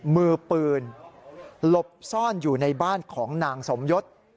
มือปืนหลบซ่อนอยู่ในบ้านของนางสมยศ